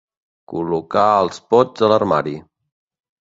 Col·locar els pots a l'armari.